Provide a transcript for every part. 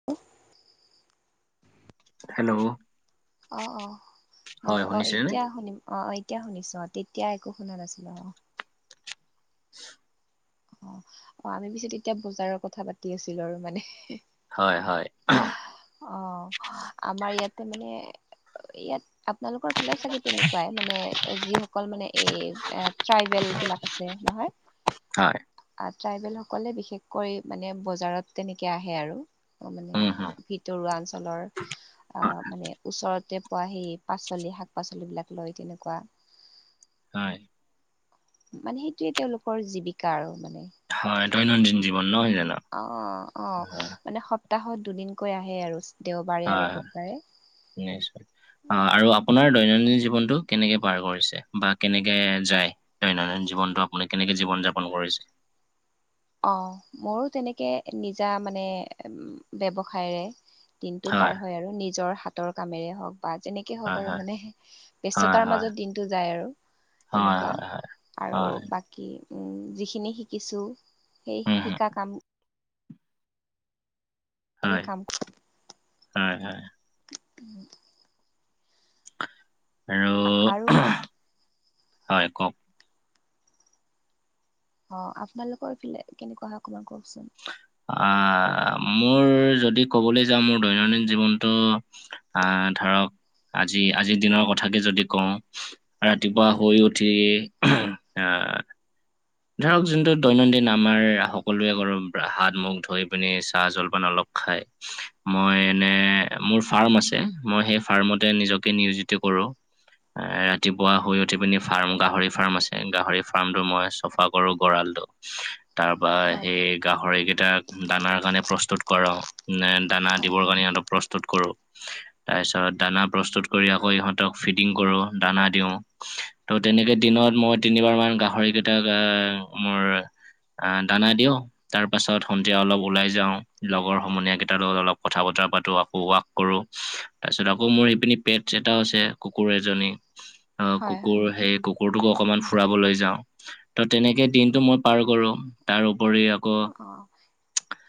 [inaudible] Hello. অ' অ' হয় হেল্ল' অ শুনিছেনে? এতিয়া শুনিম অ' এ তিয়া শুনিছোঁ অ' তেতিয়া একো শুনা নাছিলোঁ অ [inaudible] অ, অ, আমি পিছে তেতিয়া বজাৰৰ কথা পাতি আছিলোঁ আৰু মানে হয় হয় অ' আমাৰ ইয়াতে মানে ইয়াত আপনালোকৰ ফালেও চাগে তেনেকুৱাই মানে যিসকল মানে এই এ ট্ৰাইবেল বিলাক আছে নহয় হয় আ ট্ৰাইবেলসকলে বিশেষকৈ মানে বজাৰত তেনেকে আহে আৰু উম হম মানে ভিত তৰুৱা অঞ্চলৰ অ' হয়। মানে ওচৰতে পোৱা সেই পাচলি শাক পাচলিবিলাক লৈ তেনেকুৱা হয় মানে সেইটোৱে তেওঁলোকৰ জীৱিকা আৰু মানে হয় দৈনন্দিন জীৱন নহয় জানো অ অ অ' হয় মানে সপ্তাহত দুদিনকৈ আহে আৰু দেওবাৰে হয় আৰু হয়, বুধবাৰে [inaudible] অ' আৰু আপোনাৰ দৈনন্দিন জীৱনটো কেনেকে পাৰ কৰিছে বা কেনেকে যায় দৈনন্দিন জীৱনটো আপুনি কেনেকে জীৱন-যাপন কৰিছে অ' ময়ো তেনেকে নিজা মানে ব্যৱসায়েৰে দিনটো পাৰ হয় আৰু নিজৰ হাতৰ কামেৰে হওঁক বা যেনেক কে হওঁক হয় আৰু হয় মানে হয় ব্যস্ততাৰ হয় মাজত দিনটো যায় আৰু হয় তেনেকুৱা হয় হয় আৰু হয় বাক কি যিখিনি শিকিছোঁ সেই উম হম শিকা কাম এনে হয়। কাম হয় হয় উম আৰু আৰু হয় কওঁক অ' আপোনালোকৰ এইফালে কেনেকুৱা হয় অকমান কওঁকচোন আ মোৰ যদি ক'বলৈ যাওঁ মোৰ দৈনন্দিন জীৱনটো আ ধৰক আজি আজিৰ দিনৰ কথাকে যদি কওঁ ৰাতিপুৱা শুই উঠিয়েই আ ধৰক জোনটো দৈনন্দিন আমাৰ সকলোৱে কৰোঁ হাত-মুখ ধুই পিনি চাহ-জলপান অলপ খাই মই এনে মোৰ ফাৰ্ম আছে মই সেই ফাৰ্মতে নিজকে নিয়োজিত কৰোঁ এ ৰাতিপুৱা শুই উঠি পিনি ফাৰ্ম গাহৰি ফাৰ্ম আছে গাহৰি ফাৰ্মটো মই চফা কৰো গঁৰালটো তাৰপৰা হয় হয় সেই গাহৰি কেইটাক দানাৰ কাৰণে প্ৰস্তুত কৰোঁ নে দানা হয় দিবৰ কাৰণে সিহঁতক প্ৰস্তুত কৰোঁ তাৰ পিছত দানা প্ৰস্তুত কৰি আকৌ ইহঁতক ফিডিং কৰোঁ দানা দিওঁ ত' তেনেকে দিনত মই তিনিবাৰ মান গাহৰি কেইটাক আ মোৰ অ, দানা দিও - তাৰ পাছত সন্ধিয়া অলপ ওলাই যাওঁ, লগৰ সমনীয় কেইটাৰ লগত অলপ কথা বতৰা পাতো, আকৌ ৱাক - কৰো, তাৰ পিছত আকৌ মোৰ এইপিনে পেটছ এটাও আছে, কুকুৰ এজনী - [inaudible] অ, হয় কুকুৰ সেই কুকুৰটোকো অকমান ফুৰাবলৈ যাওঁ। ত তেনেকেই দিনটো মই পাৰ কৰো, তাৰ ওপৰি আ অ,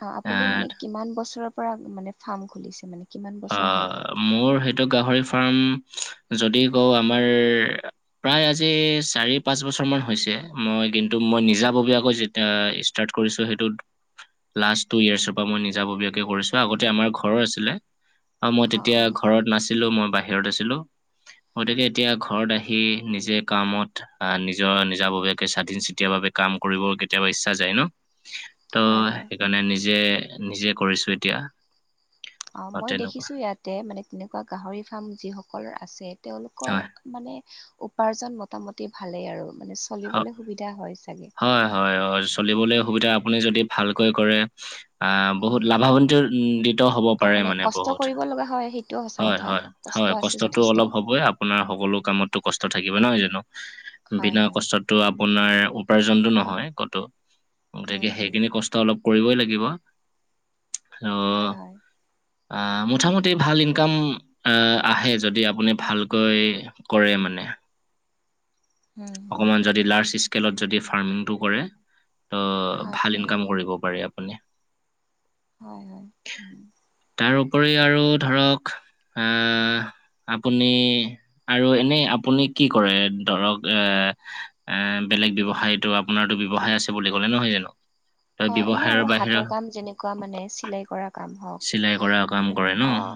অ আপুনি মানে কিমান বছৰৰ পৰা মানে ফাৰ্ম খুলিছে? মানে - অ মোৰ সেইটো গাহৰি ফাৰ্ম যদি কওঁ আমাৰ - প্ৰায় আজি চাৰি পাঁচ বছৰ মান হৈছে, মই কিন্তু মই নিজাববীয়াকৈ যেতিয়া - ষ্টাৰ্ট কৰিছো সেইটোত - লাষ্ট টু ইয়েৰ্চৰ পৰা মই নিজাববীয়াকে কৰিছো, আগতে আমাৰ ঘৰৰ আছিলে। অ মই তেতিয়া ঘৰত নাছিলোঁ মই বাহিৰত আছিলোঁ। গতিকে এতিয়া ঘৰত আহি নিজে কামত আহ নিজৰ নিজা ববিয়াকে স্বাধীন চিতিয়া বাবে - কাম কৰিব কেতিয়াবা ইচ্ছা যায় ন? ত' হয় হয়। সেইকাৰণে নিজে নিজে কৰিছোঁ এতিয়া। অঁ অ, মই তেনেকুৱা দেখিছোঁ ইয়াতে মানে তেনেকুৱা গাহৰি ফাৰ্ম যিসকলৰ আছে - তেওঁলোকৰ মানে উপাৰ্জন মোটামুটি ভালেই আৰু মানে - হয় চলিবলে সুবিধা হয় চাগে! হয় হয়, চলিবলে সুবিধা আপুনি যদি ভালকৈ কৰে - আঁ বহুত উম লাভাৱন্তিয় দিত হ'ব অ পাৰে মানে কষ্ট বহুত, কৰিব লগা হয় সেইটোও সঁচা হয় কথা হয়। কষ্ট হয়, আছে কষ্টটো যথেষ্ট অলপ হবই আপোনাৰ সকলো কামতো কষ্ট থাকিবয় নহয় জানো? হয় বিনা - হয় কষ্টতটো আপোনাৰ উপাৰ্জনটো নহয় কতো অ হুম তেতিয়া হুম সেইখিনি ক ষ্ট অলপ কৰিবই লাগিব। অ হয় হয় আহ উম মোটামুঠি ভাল ইনকাম - এহ আহে যদি আপুনি ভালকৈ কৰে মানে। উম। অকমান যদি লাৰ্জ স্কেলত যদি ফাৰ্মিংটো কৰে ত হয় ভাল হয় ইনকাম কৰিব পাৰি আপ পুনি। হয় হয়। উম। তাৰ ওপৰি আৰু ধৰক আঁহ - আপুনি আৰু এনেই আপুনি কি কৰে ধৰক - এ বেলেগ ব্যৱসায়ীটো আপোনাৰটো ব্যৱসায় আছে বুলি ক'লে নহয় জানো? ত অ এনেই ব্যৱসায়ৰ আৰু বাহিৰে হাতৰ কাম যেনেকুৱা মানে চিলাই কৰা - কাম চিলাই কৰা হওক কাম মানে কৰে ন অঁ।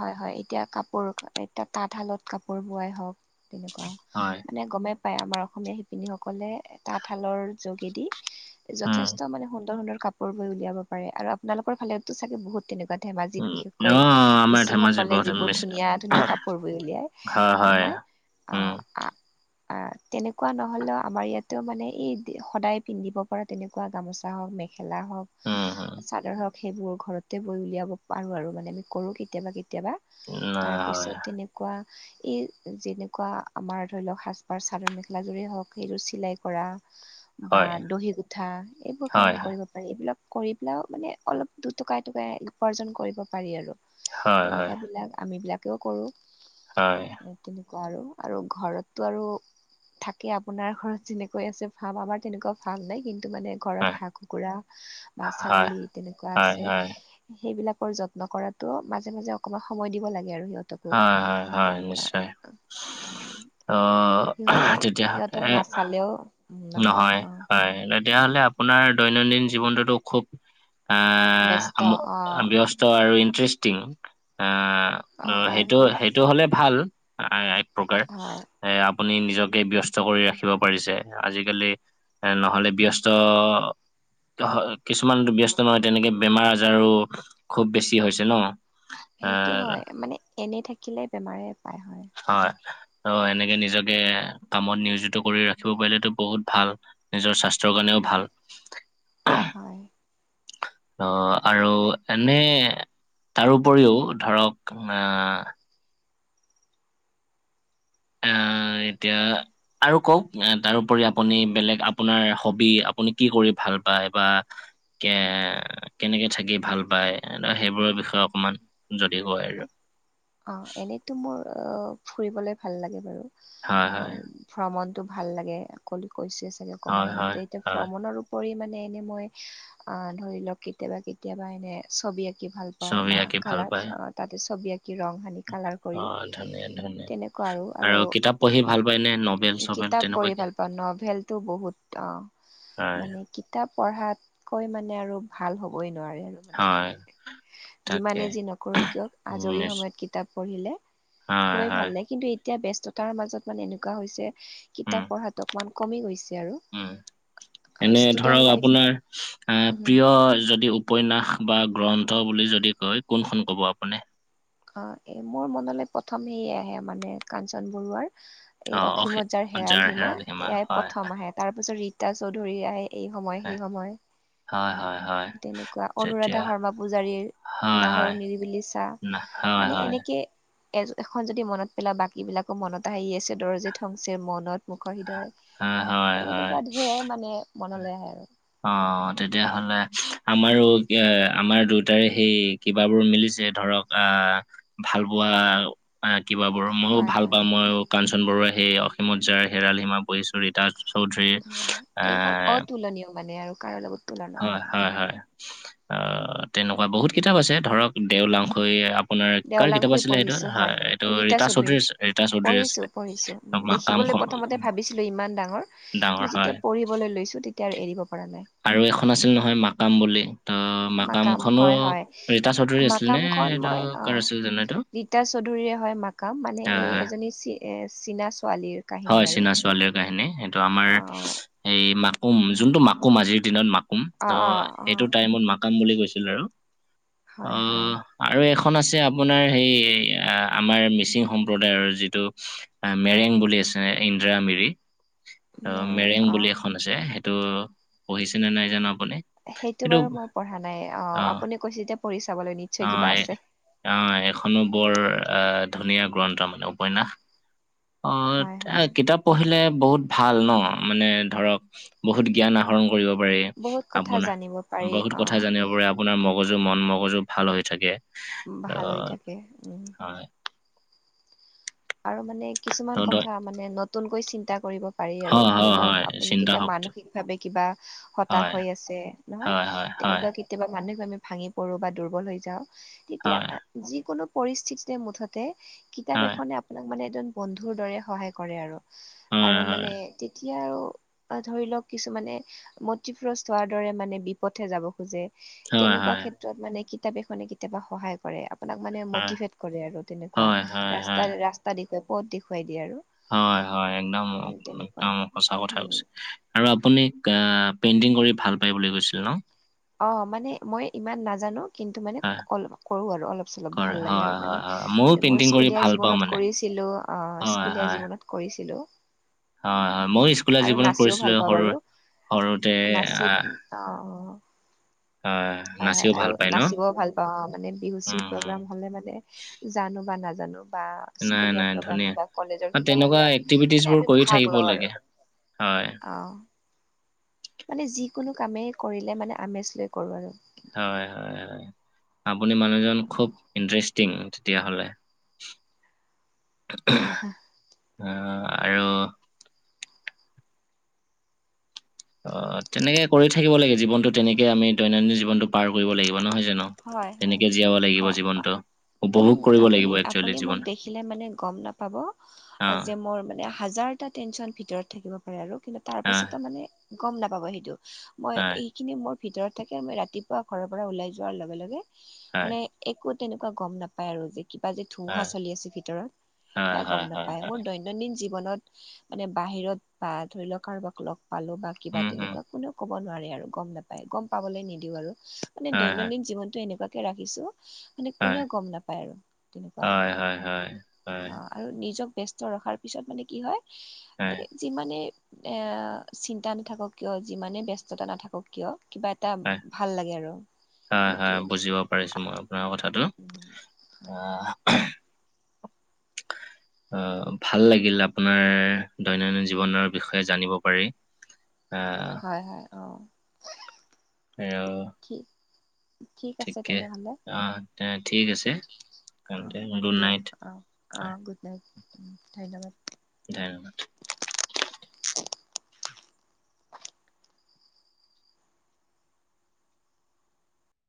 হয় হয়, এতিয়া কাপোৰ এতিয়া তাঁতশালত কাপোৰ বোৱাই হওক - তেনেকুৱা, হয় মানে গমে পায় আমাৰ অসমীয়া শিপিনীসকলে তাঁতশালৰ যোগেদি - উম যথেষ্ট মানে সুন্দৰ সুন্দৰ কাপোৰ বৈ উলিয়াব পাৰে, আৰু আপোনালোকৰ ফালেটো চাগে বহুত তেনেকুৱাত - ধেমাজিত উম অ বিশেষকৈ আমাৰ ধেমাজিত মিচিংসকলে বহুত যিবোৰ ধুনীয়া ধুনীয়া কাপোৰ বৈ উলিয়ায়, তে অ হয়। অ উম আ। অঁ তেনেকুৱা নহলেও আমাৰ ইয়াতো মানে এই দে সদায় পিন্ধিব পৰা তেনে কুৱা গামোচা হওক মেখেলা উম উম হওক চাদৰ হওক - সেইবোৰ ঘৰতে বৈ উলিয়াব পাৰোঁ আৰু মানে আমি কৰোঁ কেতিয়াবা কেতিয়াবা না হয় তাৰপিছত তেনে কোৱা ই যেনেকুৱা আমাৰ ধৰি লওক‌ঁ সাজপাৰ চাদৰ মেখেলাযোৰেই হওঁক সেইযোৰ চিলাই কৰা। বা হয় দহি গোথাঁ এইবোৰ কাম হয় কৰিব। এইবিলাক কৰি পেলাও মানে অলপ দুটকা এটকা উপাৰ্জন কৰিব পাৰি আৰু। হয় হয় তেনেকুৱাবিলাক আমি বিলাকেও কৰোঁ। হয়। তেনেকুৱা আৰু আৰু ঘৰতটো আৰু থাকে আপোনাৰ ঘৰত যেনেকৈ আছে ফাৰ্ম আমাৰ তেনেকুৱা ফাৰ্ম নাই কিন্তু। মানে ঘৰত হয় হাঁহ কুকুৰা বা হয় ছাগলী তেনেকুৱা হয় আছে। হয় সেইবিলাকৰ যত্ন কৰাতো মাজে মাজে অকমান সময় দিব লাগে আৰু সিহঁত তাকো হয়, হয়, হয়, তেনেকুৱা নিশ্চয়। আ উম। ত' সিহঁতক সিহঁতক তেতিয়াহ'লে নাচালেও উম নহয় অঁ। তেতিয়া হ'লে আপোনাৰ দৈনন্দিন জীৱনটোতো খুব ব্যস্ত আঁহ আমোক অ এ ব্যস্ত। ত আৰু ইনট্ৰেছষ্টিং আঁহ উম হয় সেইটো হয় সেইটো হ'লে ভাল। আঁ এক প্ৰকাৰ হয় এ আপুনি নিজকে ব্যস্ত কৰি ৰাখিব পাৰিছে। আজিকালি এ নহলে ব্যস্ত অ হ কিছুমানটো ব্যস্ত নহয় তেনেকে বেমাৰ আজাৰো খুব বেছি হৈছে ন। সেইটো আহ হয় মানে এনেই থাকিলে বেমাৰে পায় হয়। অ এনেকে নিজকে কামত নিয়োজিত কৰি ৰাখিব পাৰিলেটো বহুত ভাল। নিজৰ স্বাস্থ্য চৰ কাৰণেও ভাল। হয় ত আৰু এনেই তাৰ উপৰিও ধৰক আহ আহ এতিয়া আৰু কওক? তাৰোপৰি আপুনি বেলেগ আপোনাৰ হবি আপুনি কি কৰি ভাল পায় বা কে কেনেকে থাকি ভাল পায় সেইবোৰৰ বিষয়ে অকমান? যদি কয় আৰু? অ এনেইতো মোৰ অ ফুৰিবলে ভাল লাগে বাৰু। হয় অ হয় ভ্ৰমণটো ভাল লাগে। অকলো কৈছোৱে চাগে হয় অকণমান হয় আগতে। এতিয়া হয় ভ্ৰমণৰ উপৰি মানে এনেই মই ধৰি লওক কেতিয়াবা কেতিয়াবা এনে ছবি আঁকি কি ভাল পাওঁ ছবি বা আঁকি ভাল কালাৰ পায় অ তাতে ছবি আঁকি ৰং সানি কালাৰ অ কৰি। ধুনীয়া ধুনীয়া তেনেকুৱা আৰু আৰু কিতাপ পঢ়ি ভাল পায় নে নবেল চবেল কিতাপ পঢ়ি তেনেকুৱাকে ভাল পাওঁ। ন'বেল টো বহুত অ হয়। মানে কিতাপ পঢ়াতকৈ মানে আৰু ভাল হ'বই নোৱাৰে হয়, আৰু। তাকে যিমানে যি নকৰোঁ কিয়? উম, আজৰি নিচ সময়ত কিতাপ পঢ়িলে হয়, খুবেই ভাল হয়, লাগে। কিন্তু এতিয়া ব্যস্ততাৰ মাজত মানে এনেকুৱা হৈছে উম, কিতাপ পঢ়াটো অকণমান কমি গৈছে আৰু। উম। এনে ষ্টুডেন্ট ধৰক লাইফ আপোনাৰ আহ উম প্ৰিয় যদি উপন্যাস বা গ্ৰন্থ বুলি যদি কয় কোনখন ক'ব আপুনি? অ এই মোৰ মনলৈ প্ৰথম সেয়ে আহে মানে কাঞ্চন বৰুৱাৰ এই অসীমত যাৰ হেৰাল সীমা এয়াই প্ৰথম আহে। তাৰ পিছত ৰীতা চৌধুৰী আহে। এই সময় হয়, সেই সময়। হয়, হয়, হয়। তেনেকুৱা। তেতিয়া অনুৰাধা শৰ্মা পূজাৰীৰ, হয়, হয়, নাহৰৰ নিৰিবিলি চাহ। না হয়, মানে হয়, এনেকে এজ এখন যদি মনত পেলাই বাকীবিলাকো মনত আহি আছে দৰজিত থংচে মনত। মুখৰ হৃদয় হয়, হয়, তেনেকুৱা হয়। ঢেৰ মানে মনলে আহে আৰু। অ তেতিয়াহ'লে আমাৰো এ আমাৰ দুটাৰে সেই কিবাবোৰ মিলিছে ধৰক আহ ভাল পোৱা আ কিবা বোৰ ময়ো হয় ভাল হয় পাওঁ মইও কাঞ্চন বৰুৱাই হেই অসীমত যাৰ হেৰাল সীমা পঢ়িছো ৰীতা চৌধুৰীৰ হয় এইখন আহ অতুলনীয় মানে আৰু কাৰো লগত তুলনা হয় নহয় হয় হয় অ তেনেকুৱা বহুত কিতাপ আছে ধৰক দেওলাংখৈ আপোনাৰ কাৰ কিতাপা দেওলাংখুই আছিলে সেইটো পঢ়িছো আ হয় এইটো ৰীতা চৌধুৰী আ ৰীতা চৌধুৰী আছিলে। দেখিবলে মাকামখন প্ৰথমতে ভাবিছিলোঁ ইমান ডাঙৰ ডাঙৰ কিন্তু হয় যেতিয়া পঢ়ি বলৈ লৈছো তেতিয়া এৰিব পাৰা নাই। আৰু এখন আছিল নহয় মাকাম বুলি ত মাকাম মাকামখনো হয় হয় ৰীতা চৌধুৰী আছিল নে, মাকামখন এইটো মই অ কাৰ আছিল জানো এইটো? ৰীতা চৌধুৰীৰে হয় মাকাম মানে এই আহ এজনী চি এ চীনা ছোৱালীৰ হয় কাহিনী আৰু চীনা ছোৱালীৰ কাহিনী সেইটো আমাৰ অ', এই মাকুম যোনটো মাকুম আজিৰ দিনত মা কুম অ', অহ অ', সেইটো অ', টাইমত মাকাম বুলি কৈছিল আৰু হয়, হয় অহ আৰু এখন আছে আপোনাৰ সেই আমাৰ মিচিং সম্প্ৰদায়ৰ যিটো আ মেৰেং বুলি আছে ইন্দ্ৰা মিৰি অ মেৰেং বুলি এখন ছে সেইটো পঢ়িছেনে নাই জানো আপুনি সেইটো এইটো বাৰু মই পঢ়া নাই অ আপুনি কৈছে যেতিয়া পঢ়ি চাবলৈ নিম অ এ অ এখনো বৰ আহ ধুনীয়া গ্ৰন্থ মানে উপন্যাস অ হয়, তে হয় কিতাপ পঢ়িলে বহুত ভাল ন মানে ধৰক বহুত জ্ঞান আহ ৰণ কৰিব পাৰি, বহুত কথা আপোনা জানিব পাৰি বহুত কথা অ', জানিব পাৰে আপোনাৰ মগজু মন মগজু ভাল হৈ থাকে। ভাল হৈ আহ, থাকে উম। হয় আৰু মানে তো কিছুমান দ- কথা মানে নতুনকৈ চিন্তা কৰিব পাৰি আৰু হয় ধৰি হয় হয় লওক আপুনি চিন্তা কেতিয়া শক্তি মানসিকভাৱে কিবা হতাশ হয় হৈ আছে নহয় হয় হয় হয় তেনেকুৱা কেতিয়াবা মানসিক ভাৱে ভাঙি পৰো বা দুৰ্বল হৈ যাওঁ তেতিয়া হয় যিকোনো পৰিস্থিতিতে মুঠ তে কিতাপ হয় এখনে আপোনাক মানে এজন বন্ধুৰ দৰে সহায় কৰে আৰু। হয় হয় আৰু মানে তেতি এতিয়া আৰু ধৰি লওক কিছুমানে মতিভ্ৰষ্ট হোৱাৰ দৰে মানে বিপথে যাব খোজে। হয় হয় তেনেকুৱা হয় ক্ষেত্ৰত মানে কিতাপ এখনে কেতিয়াবা সহায় কৰে আ আপোনাক মানে হয় মটিভেট কৰে আৰু তেনেকুৱা হয় হয় ৰাস্তা ৰাস্তা দেখুৱাই পদ দেখুৱাই দিয়ে আৰু। হয় হয় একদম তেনেকুৱাই একদম সঁচা কথা উম কৈছে। আৰু আপুনি কা পেইণ্টিং কৰি ভাল পায় বুলি কৈছিল ন। অ মানে মই ইমান নাজানো। কিন্তু মানে হয়, অলপ কৰোঁ আৰু অলপ চলপ কৰে। ভাল লাগে হয়, আৰু মানে। হয়, হয়। ময়ো মোৰ পেইন্টিং কৰি স্কুলীয়া ভাল পাওঁ জীৱনত মানে। কৰিছিলোঁ অ হয়, স্কুলীয়া হয়, জীৱনত কৰিছিলোঁ। হয় হয় মইয়ো স্কুলীয়া জীৱনত কৰিছিলো সৰু বাৰু সৰুতে নাচি আহ অ অ আ হয় হয় আৰু নাচিবও ভাল পাওঁ মানে বিহু চিহু উম, হুম। প্ৰগ্ৰাম হ'লে মানে জানো বা নাজানো বা নাই, স্কুলীয়া নাই, প্ৰগ্ৰাম ধুনীয়া। কিবা কলেজৰ অ, কিবা তেনেকুৱা হ'লে এক্টিভিটিজ মানে বোৰ আমি কৰি ভাগ থাকিব লওঁ আৰু লাগে। হয়, অ মানে যিকোনো কামেই কৰিলে মানে আমেজ লৈ কৰো আৰু। হয় হয় হয়। আপুনি মানুহজন খুব ইন্টেৰেষ্টিং তেতিয়াহ'লে। আহ আৰু- অ' তেনেকে কৰি থাকিব লাগে জীৱনটো তেনেকে আমি দৈনন্দিন জীৱনটো পাৰ কৰিব লাগিব নহয় জানো? হয় হয় তেনেকেই জীয়াব লাগিব অ জীৱনটো। উপভোগ উম' কৰিব আপুনি লাগিব একচুৱেলি আপুনি মোক জীৱন। দেখিলে মানে গম নাপাব অ', যে মোৰ মানে- হাজাৰটা টেনচন ভিতৰত থাকিব পাৰে আৰু, কিন্তু তাৰ অ'। পাছতো মানে গম নাপাব সেইটো। মই এইখিনি মোৰ ভিতৰত থাকে মই ৰাতিপুৱা ঘৰৰ পৰা ওলাই যোৱাৰ লগে লগে মানে- একো তেনেকুৱা গ'ম নাপায় আৰু যে- কিবা যে ধুমুহা চলি আছে ভিতৰত সেয়া গম নাপায়, মোৰ দৈন- দৈনন্দিন জীৱনত মানে বাহিৰত বা ধৰি লওক কাৰোবাক লগ পালো বা কিবা তেনেকুৱা কোনো- ক'ব নোৱাৰে আৰু গম নাপায় গম পাবলৈ নিদিওঁ, আৰু মানে দৈনন্দিন জীৱনটো এনেকুৱা- কে ৰাখিছো, মানে কোনেও গম নাপায় আৰু তেনেকুৱা আৰু। অঁ আৰু নিজক ব্যস্ত ৰখাৰ পিছত মানে কি হয়, এই যিমানে- এ চিন্তা নাথাকক কিয় যিমানে ব্যস্ততা নাথাকক কিয়? কিবা এট- টা ভাল লাগে আৰু। হয় হয় সেইটোৱে বুজিব পাৰিছোঁ মই আপোনাৰ কথাটো, আঁ- [inaudible] অঁ ভাল লাগিল আপোনাৰ দৈনন্দিন জীৱনৰ বিষয়ে জানিব পাৰি। আঁ- হয় হয় হয়, অঁ। এঁ অঁ। ঠিক। ঠিক আছে তেনেহলে, আহ, তে- ঠিক আছে, অঁহ তেন্তে গুড দিয়ক নাইট। অঁ। অঁ গুড নাইট, ধন্যবাদ। ধন্যবাদ।